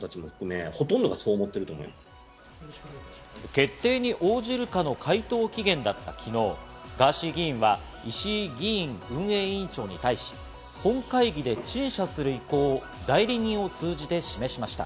決定に応じるかの回答期限だった昨日、ガーシー議員は石井議院運営委員長に対し、本会議で陳謝する意向を代理人を通じて示しました。